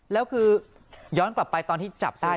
แล้วคือย้อนกลับไปตอนที่จับได้